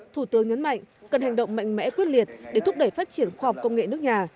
thủ tướng nhấn mạnh cần hành động mạnh mẽ quyết liệt để thúc đẩy phát triển khoa học công nghệ nước nhà